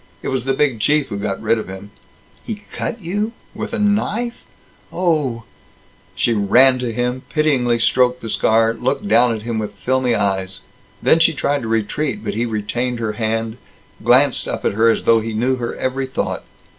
It was the Big Chief who got rid of him." "He cut you? With a kniiiiiife? Ohhhhhhh!" She ran to him, pityingly stroked the scar, looked down at him with filmy eyes. Then she tried to retreat, but he retained her hand, glanced up at her as though he knew her every thought.